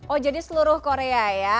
oh jadi seluruh korea ya